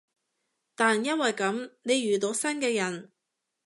但因為噉，你遇到新嘅人